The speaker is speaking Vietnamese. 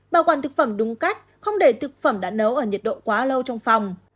bảo quản thực phẩm đúng cách không để thực phẩm đã nấu ở nhiệt độ quá lâu trong phòng